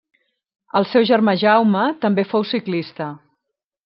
El seu germà Jaume també fou ciclista.